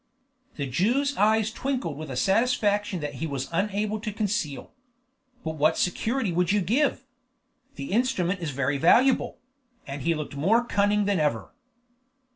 The Jew's eyes twinkled with a satisfaction that he was unable to conceal. "But what security would you give? The instrument is very valuable;" and he looked more cunning than ever.